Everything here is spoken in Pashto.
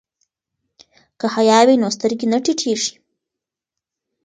که حیا وي نو سترګې نه ټیټیږي.